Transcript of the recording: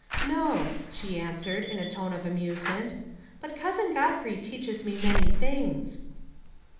"No," she answered, in a tone of amusement. "But Cousin Godfrey teaches me many things."